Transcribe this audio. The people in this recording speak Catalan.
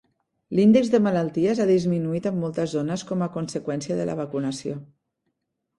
L'índex de malalties ha disminuït en moltes zones com a conseqüència de la vacunació.